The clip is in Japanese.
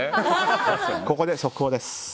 ここで速報です。